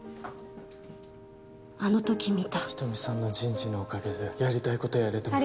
あのとき見た人見さんの人事のおかげでやりたいことやれてます